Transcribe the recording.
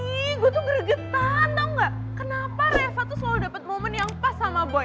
iiiiii gue tuh gregetan tau gak kenapa reva tuh selalu dapet momen yang pas sama boy